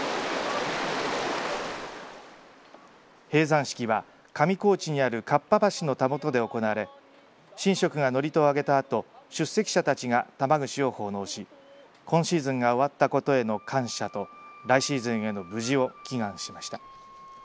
閉山式は上高地にある河童橋のたもとで行われ神職が祝詞を上げたあと出席者たちが玉串を奉納し、今シーズンが終わったことへの感謝と来シーズンの無事を祈願しました。